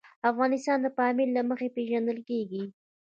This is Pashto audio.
افغانستان د پامیر له مخې پېژندل کېږي.